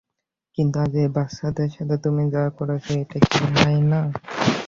কিন্তু আজ এই বাচ্চাদের সাথে তুমি যা করেছো, এটাও কি অন্যায় নয়?